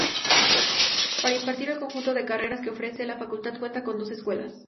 Para impartir el conjunto de carreras que ofrece, la Facultad cuenta con dos escuelas.